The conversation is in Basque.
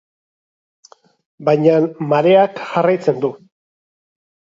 Baina mareak jarraitzen du.